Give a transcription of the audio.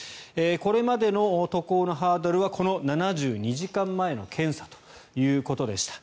これまでの渡航のハードルはこの７２時間前の検査ということでした。